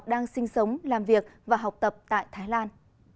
đang sinh sống làm việc và học tập tại thái lan